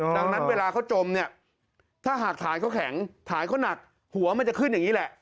ดังนั้นเวลาเขาจมเนี่ยถ้าหากฐานเขาแข็งฐานเขาหนักหัวมันจะขึ้นอย่างนี้แหละ